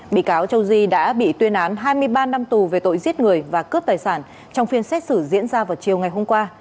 bị cáo châu di đã bị tuyên án hai mươi ba năm tù về tội giết người và cướp tài sản trong phiên xét xử diễn ra vào chiều ngày hôm qua